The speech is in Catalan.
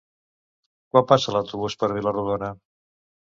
Quan passa l'autobús per Vila-rodona?